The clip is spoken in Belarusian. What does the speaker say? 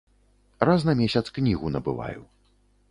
Раз на месяц кнігу набываю.